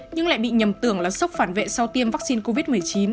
nhưng lại bị nhầm tưởng là sốc phản vệ sau tiêm vaccine covid một mươi chín